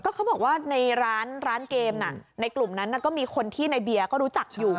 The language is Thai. เขาบอกว่าในร้านเกมในกลุ่มนั้นก็มีคนที่ในเบียร์ก็รู้จักอยู่